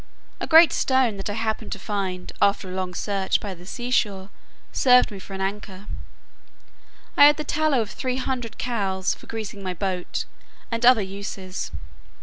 A great stone that I happened to find, after a long search, by the sea shore, served me for an anchor. I had the tallow of three hundred cows, for greasing my boat, and other uses.